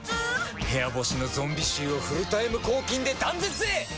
部屋干しのゾンビ臭をフルタイム抗菌で断絶へ！